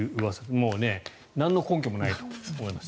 もう、なんの根拠もないと思います。